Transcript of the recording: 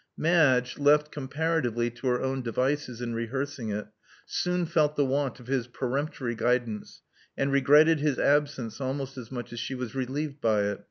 Madge, left comparatively to her own devices in rehearsing it, soon felt the want of his peremptory guidance, and regretted his absence almost as much as she was relieved by it.